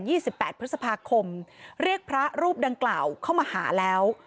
สิบแปดพฤษภาคมเรียกพระรูปดังกล่าวเข้ามาหาแล้ว